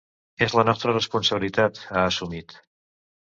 “És la nostra responsabilitat”, ha assumit.